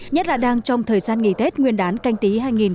nhất là đang trong thời gian nghỉ tết nguyên đán canh tí hai nghìn hai mươi